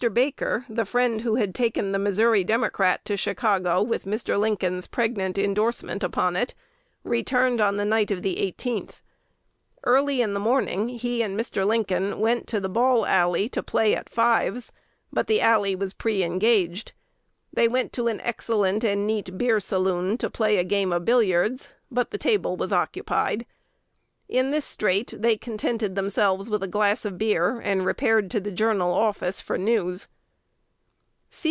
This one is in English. Baker, the friend who had taken "The Missouri Democrat" to Chicago with Mr. Lincoln's pregnant indorsement upon it, returned on the night of the 18th. Early in the morning, he and Mr. Lincoln went to the balll alley to play at "fives;" but the alley was pre engaged. They went to an "excellent and neat beer saloon" to play a game of billiards; but the table was occupied. In this strait they contented themselves with a glass of beer, and repaired to "The Journal" office for news.